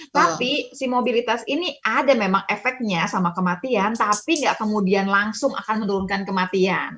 tapi si mobilitas ini ada memang efeknya sama kematian tapi nggak kemudian langsung akan menurunkan kematian